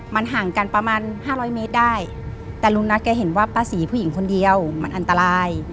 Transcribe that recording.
มันห่างกันประมาณ๕๐๐เมตรได้แต่ลุงนัทแกเห็นว่าป้าศรีผู้หญิงคนเดียวมันอันตราย